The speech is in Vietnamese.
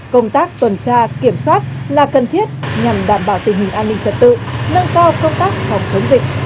công tác tuần tra kiểm soát là cần thiết nhằm đảm bảo tình hình an ninh trật tự nâng cao công tác phòng chống dịch